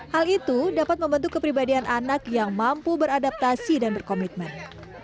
hal itu dapat membentuk kepribadian anak yang mampu beradaptasi dan berkomitmen